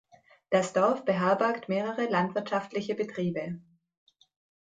Das Dorf beherbergt mehrere landwirtschaftliche Betriebe.